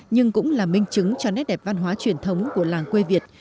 nhưng cũng là minh chứng cho nét đẹp văn hóa truyền thống của làng quê việt